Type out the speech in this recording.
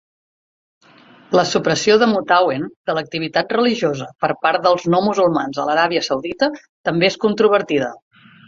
La supressió de Mutaween de l"activitat religiosa per part dels no musulmans a l"Aràbia Saudita també és controvertida.